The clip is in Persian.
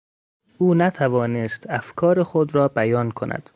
او نتوانست افکار خود را بیان کند.